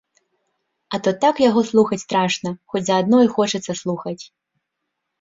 А то так яго слухаць страшна, хоць заадно і хочацца слухаць.